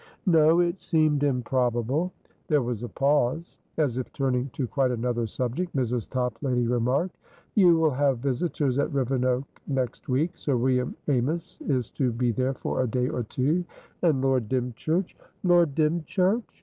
"No; it seemed improbable." There was a pause. As if turning to quite another subject, Mrs. Toplady remarked: "You will have visitors at Rivenoak next week. Sir William Amys is to be there for a day or two, and Lord Dymchurch" "Lord Dymchurch?"